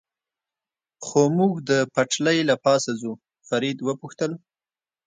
خو موږ د پټلۍ له پاسه ځو، فرید و پوښتل.